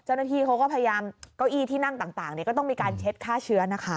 เจ้าหน้าที่เขาก็พยายามเก้าอี้ที่นั่งต่างก็ต้องมีการเช็ดฆ่าเชื้อนะคะ